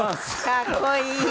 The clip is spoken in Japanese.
かっこいい。